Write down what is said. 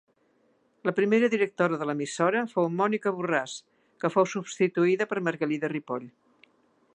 La primera directora de l'emissora fou Mònica Borràs, que fou substituïda per Margalida Ripoll.